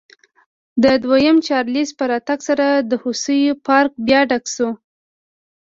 د دویم چارلېز په راتګ سره د هوسیو پارک بیا ډک شو.